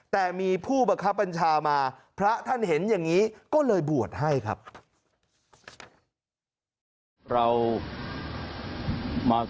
แต่มีผู้บังคับบัญชามาพระท่านเห็นอย่างนี้ก็เลยบวชให้ครับ